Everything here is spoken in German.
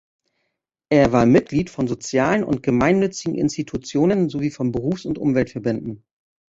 Er war Mitglied von sozialen und gemeinnützigen Institutionen sowie von Berufs- und Umweltverbänden.